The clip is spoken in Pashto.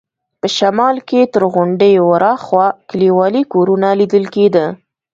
په شمال کې تر غونډیو ورهاخوا کلیوالي کورونه لیدل کېده.